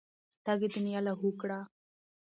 تږې دنيا لاهو کړه.